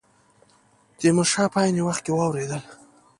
تیمور شاه په عین وخت کې واورېدل.